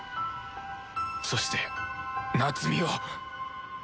そして夏美を！